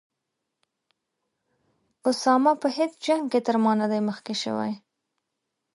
اسامه په هیڅ جنګ کې تر ما نه دی مخکې شوی.